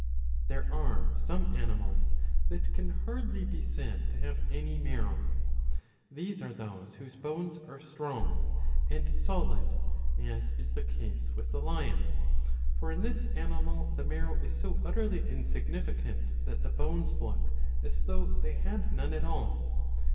*• There are some animals that can hardly be said to have any marrow. These are those whose bones are strong and solid, as is the case with the lion. For in this animal the marrow is so utterly insignificant, that the bones look as though they had none at all.